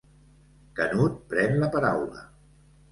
Canut pren la paraula.